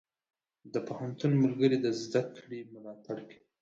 د پوهنتون ملګري د زده کړې ملاتړ کوي.